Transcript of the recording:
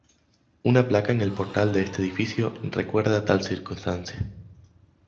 Una placa en el portal de este edificio recuerda tal circunstancia.